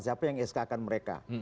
siapa yang eskakan mereka